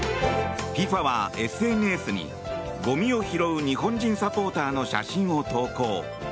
ＦＩＦＡはＳＮＳにゴミを拾う日本人サポーターの写真を投稿。